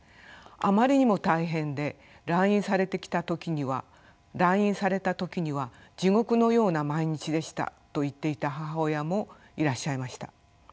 あまりにも大変で来院された時には地獄のような毎日でしたと言っていた母親もいらっしゃいました。